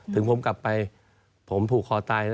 ถึงผมกลับไปผมผูกคอตายแล้ว